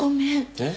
えっ？